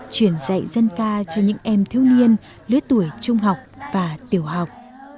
chuyển dạy dân ca cho những em thiếu niên lưới tuổi trung học và tiểu học